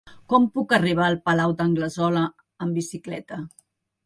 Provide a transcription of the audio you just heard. Com puc arribar al Palau d'Anglesola amb bicicleta?